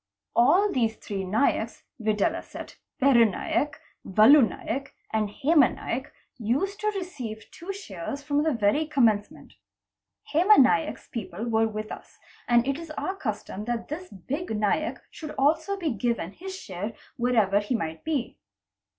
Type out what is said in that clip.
All these three Naiks, viz., Peru Naik, Valu Naik, and Hema Naik, used to receive two shares from the very commence ment. Hema Naick's people were with us, and it is our custom that this big Naik also should be given his share wherever he might be.